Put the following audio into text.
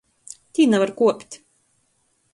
Tī navar kuopt.